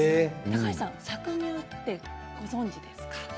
高橋さん、搾乳はご存じですか？